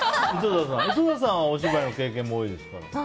井戸田さんはお芝居の経験も多いですから。